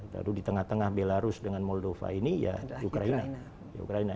lalu di tengah tengah belarus dengan moldova ini ya ukraina